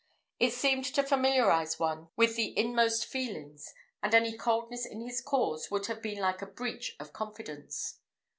It seemed to familiarise one with his inmost feelings, and any coldness in his cause would have been like a breach of confidence.